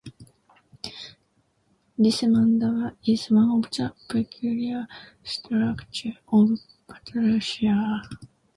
This mandapa is one of the peculiar structures of Pataleshwar.